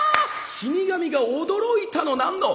死神が驚いたのなんの！